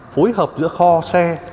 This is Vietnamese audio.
phối hợp giữa kho xe